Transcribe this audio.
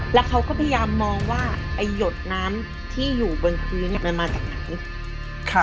แล้วเขาก็พยายามมองว่าไอ้หยดน้ำที่อยู่บนพื้นมันมาจากไหน